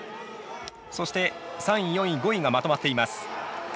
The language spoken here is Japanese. そして３位、４位、５位がまとまっています。